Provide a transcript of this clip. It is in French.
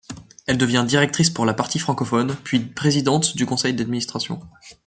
Elle en devient directrice pour la partie francophone, puis présidente du conseil d'administration.